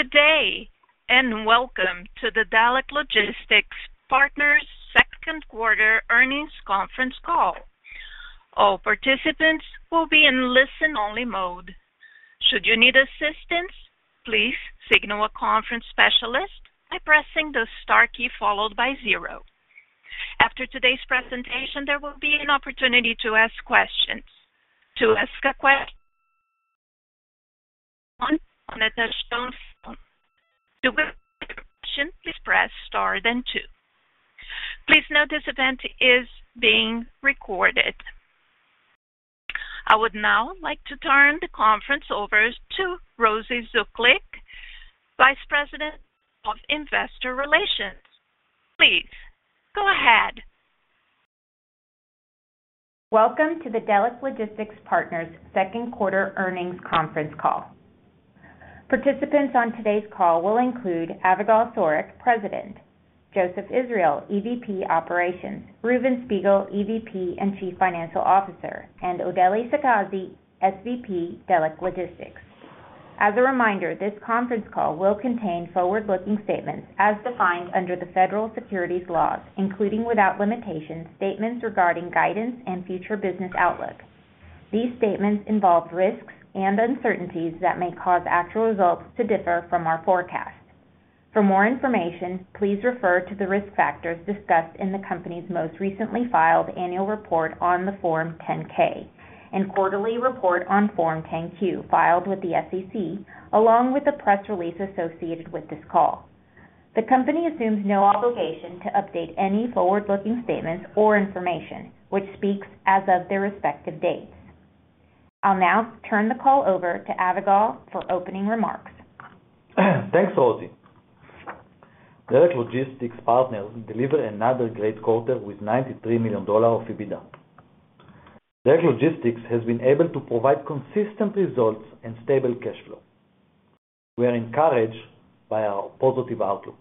Good day, welcome to the Delek Logistics Partners second quarter earnings conference call. All participants will be in listen-only mode. Should you need assistance, please signal a conference specialist by pressing the star key followed by zero. After today's presentation, there will be an opportunity to ask questions. To ask on a touchtone phone. To ask a question, please press star then two. Please note this event is being recorded. I would now like to turn the conference over to Rosy Zuklic, Vice President of Investor Relations. Please, go ahead. Welcome to the Delek Logistics Partners second quarter earnings conference call. Participants on today's call will include Avigal Soreq, President; Joseph Israel, EVP Operations; Reuven Spiegel, EVP and Chief Financial Officer; and Odely Sakazi, SVP, Delek Logistics. As a reminder, this conference call will contain forward-looking statements as defined under the federal securities laws, including without limitation, statements regarding guidance and future business outlook. These statements involve risks and uncertainties that may cause actual results to differ from our forecast. For more information, please refer to the risk factors discussed in the company's most recently filed annual report on the form 10-K and quarterly report on form 10-Q, filed with the SEC, along with the press release associated with this call. The company assumes no obligation to update any forward-looking statements or information, which speaks as of their respective dates. I'll now turn the call over to Avigal for opening remarks. Thanks, Rosy. Delek Logistics Partners delivered another great quarter with $93 million of EBITDA. Delek Logistics has been able to provide consistent results and stable cash flow. We are encouraged by our positive outlook.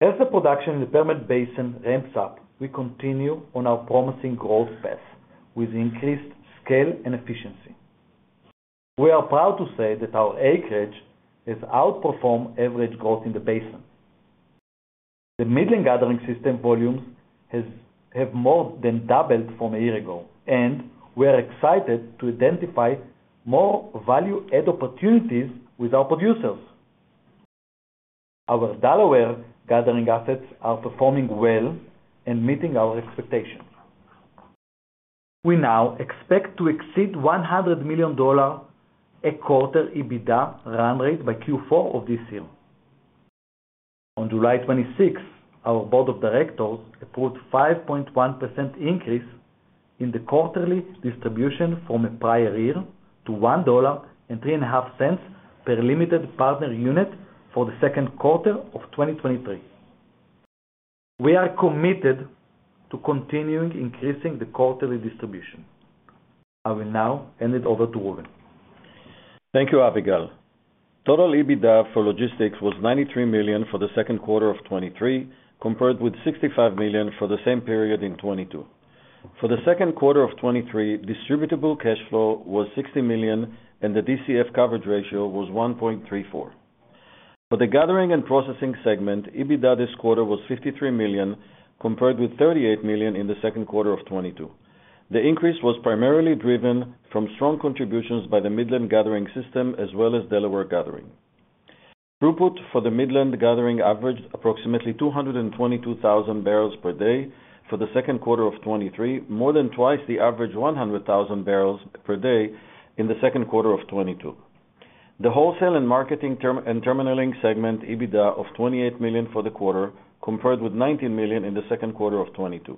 As the production in the Permian Basin ramps up, we continue on our promising growth path with increased scale and efficiency. We are proud to say that our acreage has outperformed average growth in the basin. The Midland Gathering System volumes have more than doubled from a year ago, and we are excited to identify more value-add opportunities with our producers. Our Delaware Gathering assets are performing well and meeting our expectations. We now expect to exceed $100 million a quarter EBITDA run rate by Q4 of this year. On July 26th, our board of directors approved 5.1% increase in the quarterly distribution from a prior year to $1.035 per limited partner unit for the second quarter of 2023. We are committed to continuing increasing the quarterly distribution. I will now hand it over to Reuven. Thank you, Avigal Soreq. Total EBITDA for logistics was $93 million for the second quarter of 2023, compared with $65 million for the same period in 2022. For the second quarter of 2023, distributable cash flow was $60 million, and the DCF coverage ratio was 1.34. For the gathering and processing segment, EBITDA this quarter was $53 million, compared with $38 million in the second quarter of 2022. The increase was primarily driven from strong contributions by the Midland Gathering System as well as Delaware Gathering. Throughput for the Midland Gathering averaged approximately 222,000 barrels per day for the second quarter of 2023, more than twice the average 100,000 barrels per day in the second quarter of 2022. The Wholesale Marketing and Terminalling segment EBITDA of $28 million for the quarter, compared with $19 million in the second quarter of 2022.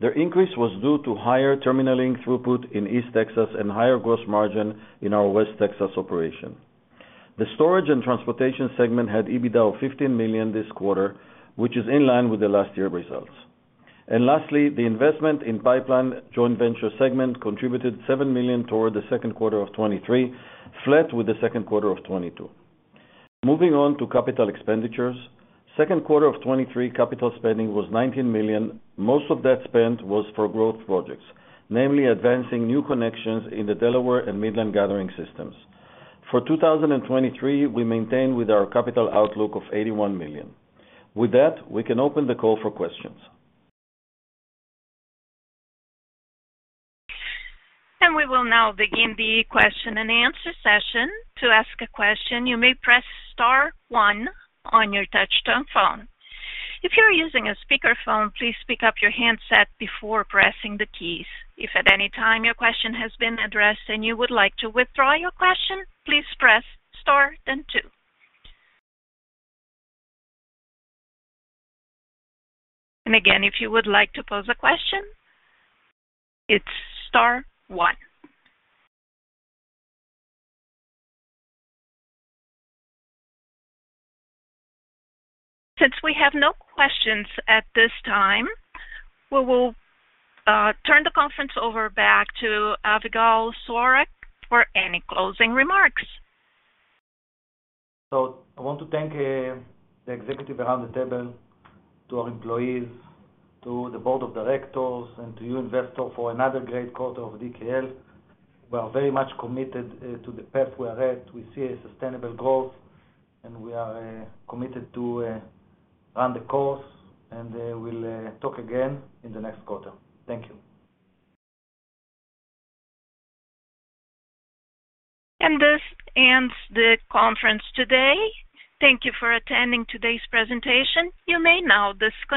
The increase was due to higher terminal link throughput in East Texas and higher gross margin in our West Texas operation. The storage and transportation segment had EBITDA of $15 million this quarter, which is in line with the last year results. Lastly, the investment in pipeline joint venture segment contributed $7 million toward the second quarter of 2023, flat with the second quarter of 2022. Moving on to capital expenditures. Second quarter of 2023, capital spending was $19 million. Most of that spend was for growth projects, namely advancing new connections in the Delaware and Midland Gathering System. For 2023, we maintain with our capital outlook of $81 million. With that, we can open the call for questions. We will now begin the question and answer session. To ask a question, you may press star one on your touchtone phone. If you're using a speakerphone, please pick up your handset before pressing the keys. If at any time your question has been addressed and you would like to withdraw your question, please press star then two. Again, if you would like to pose a question, it's star one. Since we have no questions at this time, we will turn the conference over back to Avigal Soreq for any closing remarks. I want to thank the executive around the table, to our employees, to the board of directors, and to you, investor, for another great quarter of DKL. We are very much committed to the path we are at. We see a sustainable growth, and we are committed to run the course, and we'll talk again in the next quarter. Thank you. This ends the conference today. Thank you for attending today's presentation. You may now disconnect.